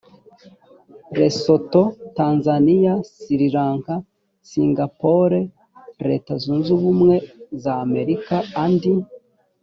lesotho tanzania sri lanka singapore leta zunze ubumwe za amerika andi